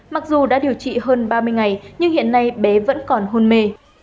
mặc dù đã điều trị hơn ba mươi ngày nhưng hiện nay bé vẫn còn hôn mê